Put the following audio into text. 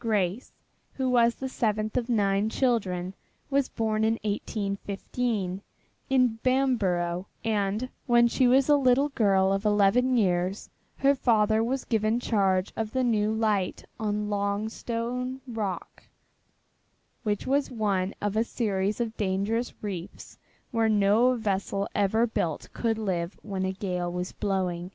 Grace, who was the seventh of nine children, was born in 1815, in Bamborough, and when she was a little girl of eleven years her father was given charge of the new light on Longstone Rock, which was one of a series of dangerous reefs where no vessel ever built could live when a gale was blowing.